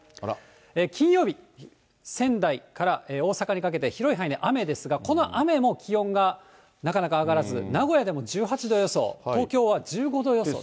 金曜日、仙台から大阪にかけて、広い範囲で雨ですが、この雨も気温がなかなか上がらず、名古屋でも１８度予想、東京は１５度予想。